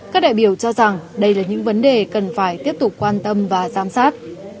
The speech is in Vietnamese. các đại biểu cho rằng đây là những vấn đề cần phải tiếp tục quan tâm và giám sát